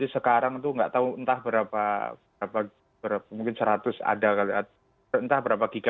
sekarang itu tidak tahu entah berapa mungkin seratus ada kali entah berapa gb